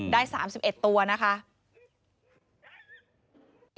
ได้๓๑ตัวนะครับ